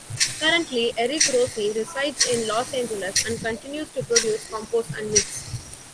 Currently, Eric Rosse resides in Los Angeles and continues to produce, compose and mix.